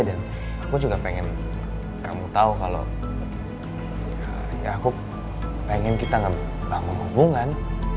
dan aku juga pengen kamu tau kalau aku pengen kita ngebangun hubungan